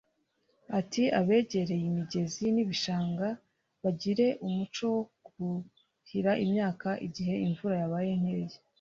Ati “Abegereye imigezi n’ibishanga bagire umuco wo kuhira imyaka igihe imvura yabaye nkeya